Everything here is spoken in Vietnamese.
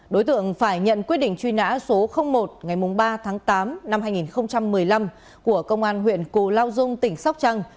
đối tượng phải nhận quyết định truy nã số một ngày ba tháng tám năm hai nghìn một mươi năm của công an huyện cù lao dung tỉnh sóc trăng